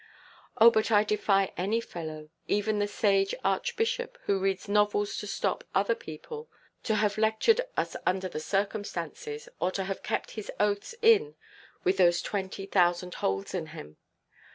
Oh, but I defy any fellow, even the sage Archbishop who reads novels to stop other people, to have lectured us under the circumstances, or to have kept his oaths in, with those twenty thousand holes in him.